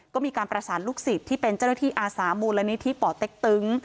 ก็มีการประสานลูกศิษย์ที่เป็นเจ้าหน้าที่อาสามูลนิธิป่อเต็กตึง